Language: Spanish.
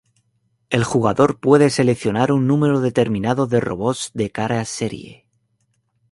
El jugador puede seleccionar un número determinado de robots de cada serie.